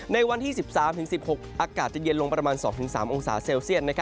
ในวันที่๑๓๑๖อากาศจะเย็นลงประมาณ๒๓องศาเซลเซียต